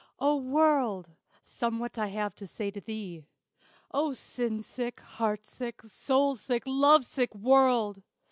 ] O World! somewhat I have to say to thee. O sin sick, heart sick, soul sick, love sick World!